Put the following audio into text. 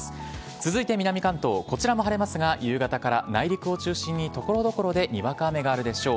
続いて南関東、こちらも晴れますが、夕方から内陸を中心に、ところどころでにわか雨があるでしょう。